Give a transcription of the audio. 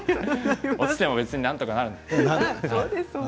落ちてもなんとかなる。